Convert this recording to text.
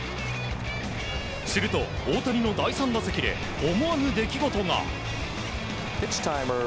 すると、大谷の第３打席で思わぬ出来事が。